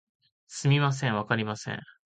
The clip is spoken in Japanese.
すみません、わかりません